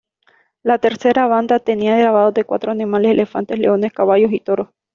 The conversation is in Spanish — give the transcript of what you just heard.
La tercera banda tenía grabados de cuatro animales; elefantes, leones, caballos y toros.